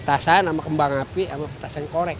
petasan sama kembang api sama petasan korek